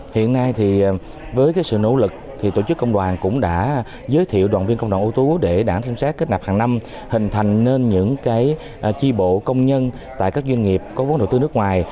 hiện nay thì với cái sự nỗ lực thì tổ chức công đoàn cũng đã giới thiệu đoàn viên công đoàn ưu tú để đảng xem xét kết nạp hàng năm hình thành nên những chi bộ công nhân tại các doanh nghiệp có vốn đầu tư nước ngoài